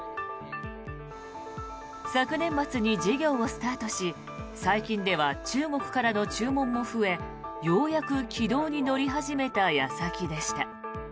昨年末に事業をスタートし最近では中国からの注文も増えようやく軌道に乗り始めた矢先でした。